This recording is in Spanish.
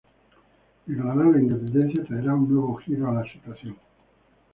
Declarar la independencia traerá un nuevo giro a la situación.